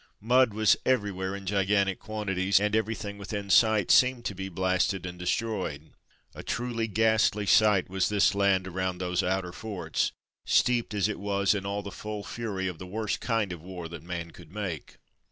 Mud was everywhere in gigantic quanti ties, and everything within sight seemed to be blasted and destroyed. A truly ghastly sight was this land around those outer forts, steeped as it was in all the full fury of the worst kind of war that man could make.